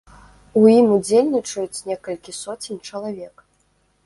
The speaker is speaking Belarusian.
У ім удзельнічаюць некалькі соцень чалавек.